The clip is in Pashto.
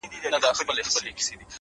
خپه وې چي وړې ‘ وړې ‘وړې د فريادي وې’